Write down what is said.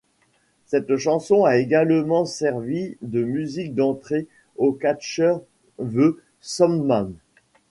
Cette chanson a également servi de musique d'entrée au catcheur The Sandman.